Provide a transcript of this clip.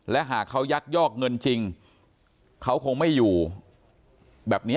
และหากเขายักยอกเงินจริงเขาคงไม่อยู่แบบนี้